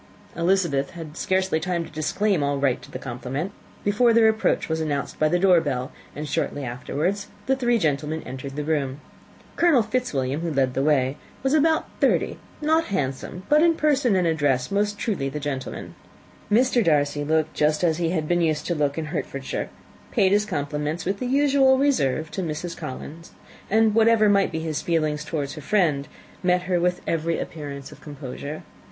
Elizabeth had scarcely time to disclaim all right to the compliment before their approach was announced by the door bell, and shortly afterwards the three gentlemen entered the room. Colonel Fitzwilliam, who led the way, was about thirty, not handsome, but in person and address most truly the gentleman. Mr. Darcy looked just as he had been used to look in Hertfordshire, paid his compliments, with his usual reserve, to Mrs. Collins; and whatever might be his feelings towards her friend, met her with every appearance of composure.